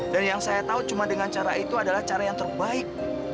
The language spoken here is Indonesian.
dan yang saya tahu cuma dengan cara itu adalah cara yang terbaik